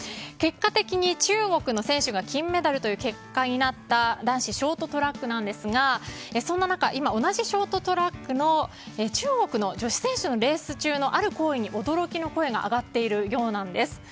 結果的に中国の選手が金メダルという結果になった男子ショートトラックなんですがそんな中同じショートトラックの中国の女子選手のレース中のある行為に驚きの声が上がっているようなんです。